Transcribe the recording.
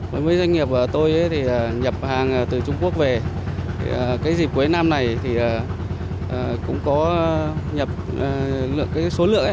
với doanh nghiệp tôi thì nhập hàng từ trung quốc về cái dịp cuối năm này thì cũng có nhập số lượng